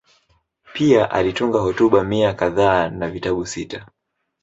Pia alitunga hotuba mia kadhaa na vitabu sita.